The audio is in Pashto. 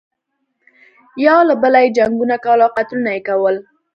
یو له بله یې جنګونه کول او قتلونه یې کول.